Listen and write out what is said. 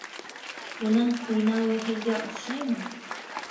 Уның уйнауы һеҙгә оҡшаймы?